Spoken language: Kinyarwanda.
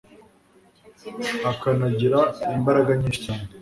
akanagira imbaraga nyinshi cyane